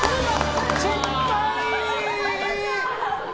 失敗！